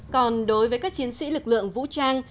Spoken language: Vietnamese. còn đối với các chiến sĩ lực lượng vũ trang